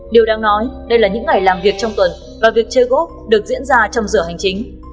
điều đáng nói đây là những ngày làm việc trong tuần và việc chơi gốc được diễn ra trong giờ hành chính